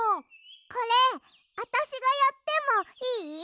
これあたしがやってもいい？